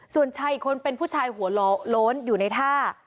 ส่วนชายอีกคนเป็นผู้ชายหัวโล้นอยู่ในท่า